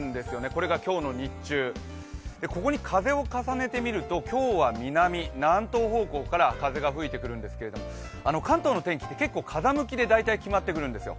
これが今日の日中ここに風を重ねてみると今日は南、南東方向から風が吹いてくるんですけれども関東の天気って結構風向きで決まってくるんですよ。